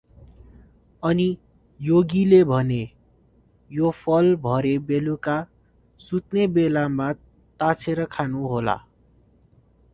अनि योगीले भने, “ यो फल भरे बेलुका सुत्ने बेलामा ताछेर खानुहोला ।”